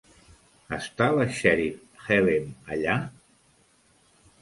Està la Sheriff Helen allà?